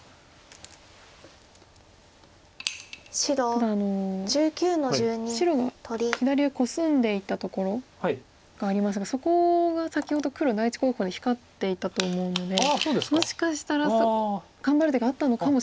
ただ白が左上コスんでいったところがありますがそこが先ほど黒第１候補で光っていたと思うのでもしかしたら頑張る手があったのかもしれないですね。